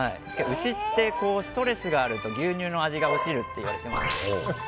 牛って、ストレスがあると牛乳の味が落ちるといわれていまして。